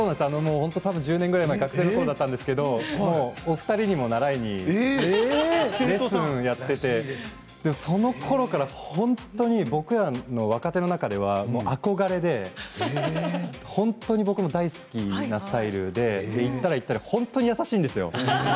１０年ぐらい前学生のころだったんですけどお二人にも習いにレッスンをやっていてそのころから本当に僕らの若手の中では憧れで本当に僕も大好きなスタイルで行ったら言ったら本当に優しいんですよ。